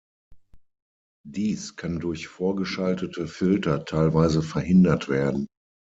Dies kann durch vorgeschaltete Filter teilweise verhindert werden.